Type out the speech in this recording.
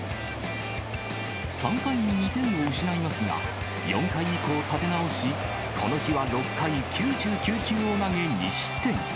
３回に２点を失いますが、４回以降立て直し、この日は６回９９球を投げ、２失点。